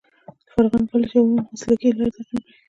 فارغان کولای شي اوه مسلکي لارې تعقیب کړي.